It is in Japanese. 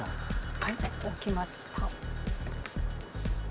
はい置きました。